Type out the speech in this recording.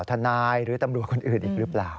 ทนายหรือตำรวจคนอื่นอีกหรือเปล่า